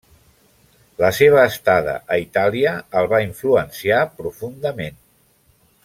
La seva estada a Itàlia el va influenciar profundament.